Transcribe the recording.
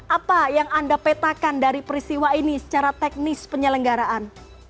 apa yang anda petakan dari peristiwa ini secara teknis penyelenggaraan